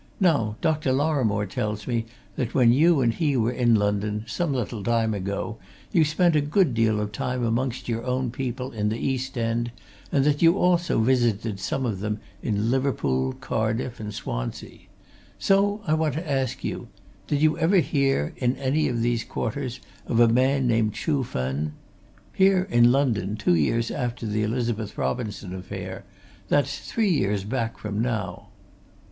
Now, Dr. Lorrimore tells me that when you and he were in London, some little time ago, you spent a good deal of time amongst your own people in the East End, and that you also visited some of them in Liverpool, Cardiff, and Swansea. So I want to ask you did you ever hear, in any of these quarters, of a man named Chuh Fen? Here in London two years after the Elizabeth Robinson affair that's three years back from now."